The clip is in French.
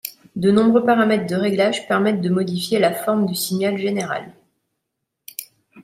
De nombreux paramètres de réglage permettent de modifier la forme du signal général.